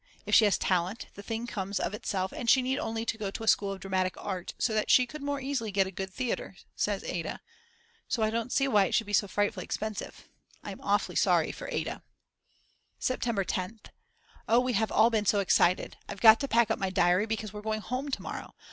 If she has talent, the thing comes of itself and she need only go to a school of Dramatic Art so that she could more easily get a good Theatre says Ada. So I don't see why it should be so frightfully expensive. I'm awfully sorry for Ada. September 10th. Oh we have all been so excited. I've got to pack up my diary because we're going home to morrow.